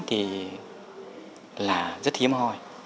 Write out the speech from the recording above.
thì là rất hiếm hoi